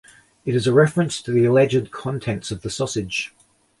It is a reference to the alleged contents of the sausage.